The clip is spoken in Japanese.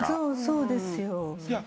そうですよ。いや。